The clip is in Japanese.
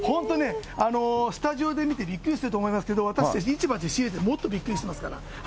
スタジオで見てびっくりすると思いますけれども、私たち、市場で仕入れて、もっとびっくりしてますから。